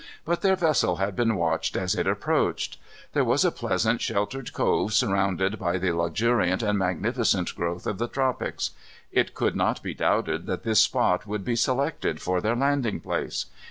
But their vessel had been watched as it approached. There was a pleasant sheltered cove surrounded by the luxuriant and magnificent growth of the tropics. It could not be doubted that this spot would be selected for their landing place.